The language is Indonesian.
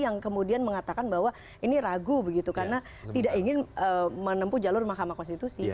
yang kemudian mengatakan bahwa ini ragu begitu karena tidak ingin menempuh jalur mahkamah konstitusi